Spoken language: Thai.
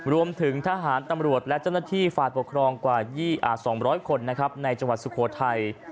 รวมถึงทหารตำรวจและเจ้าหน้าที่ฝ่ายปกครองกว่า๒๐๐คนในจังหวัดสุโขทัย